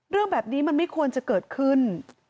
เรื่องแบบนี้มันไม่ควรจะเกิดขึ้น